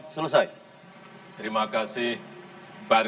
kembali ke tempat